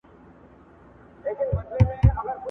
مګر چې لوی شې نو له موږ به لاس واخلي